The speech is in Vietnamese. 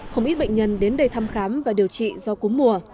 không ít bệnh nhân đến đây thăm khám và điều trị do cúm mùa